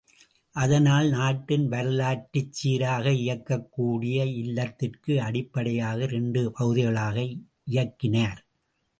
அதனால் நாட்டின் வரலாற்றைச் சீராக இயக்கக்கூடிய இல்லறத்திற்கு அடிப்படையாக இரண்டு பகுதிகளாக இயக்கினார்.